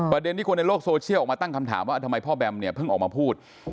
ประเด็นที่คนในโลกโซเชียลออกมาตั้งคำถามว่าทำไมพ่อแบมเนี่ยเพิ่งออกมาพูด